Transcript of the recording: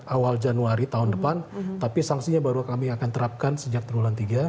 awal januari tahun depan tapi sanksinya baru kami akan terapkan sejak triwulan tiga